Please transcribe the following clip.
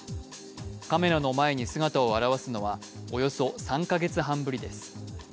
カメラの前に姿を現すのはおよそ３か月半ぶりです。